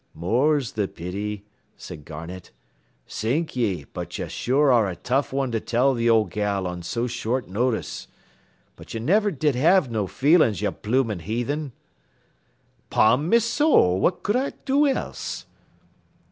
"'More's th' pity,' says Garnett. 'Sink ye, but ye sure are a tough one to tell th' old gal on so short notice. But ye niver did have no feelin's, ye bloomin' heathen.' "''Pon me sowl, what cud I do else?'